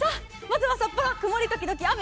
まずは札幌、曇り時々雨。